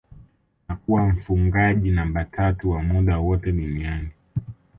na kuwa mfungaji namba tatu wa muda wote duniani